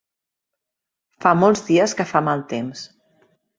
Fa molts dies que fa mal temps.